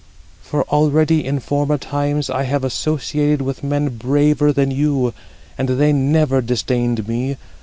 For already, in former times, I have associated with men braver than you, and they never disdained me.